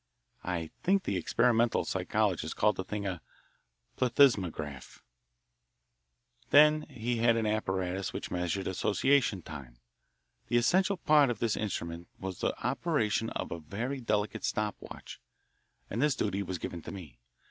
I think the experimental psychologists called the thing a "plethysmograph." Then he had an apparatus which measured association time. The essential part of this instrument was the operation of a very delicate stop watch, and this duty was given to me.